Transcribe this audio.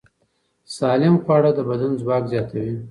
سالم خواړه د بدن ځواک زیاتوي.